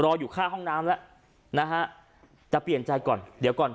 อยู่ข้างห้องน้ำแล้วนะฮะแต่เปลี่ยนใจก่อนเดี๋ยวก่อน